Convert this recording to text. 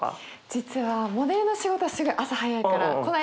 実はモデルの仕事はすごい朝早いからこないだ見れて。